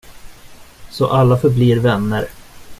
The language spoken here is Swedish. Så alla förblir vänner.